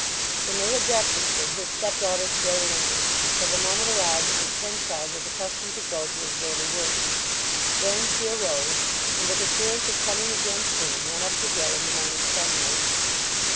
When they had breakfasted his stepdaughter still lingered, till the moment arrived at which Henchard was accustomed to go to his daily work. Then she arose, and with assurance of coming again soon went up the hill in the morning sunlight.